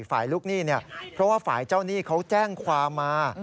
ฝ่ายลูกหนี้เพราะว่าฝ่ายเจ้านี่เขาแจ้งความมา